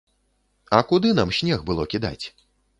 А куды нам снег было кідаць?